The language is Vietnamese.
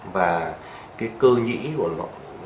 và cái cơ nhĩ của nó